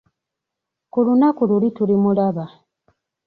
Ku lunaku luli tulimulaba.